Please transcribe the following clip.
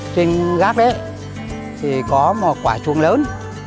trên gác ấy thì có một quả chuông lớn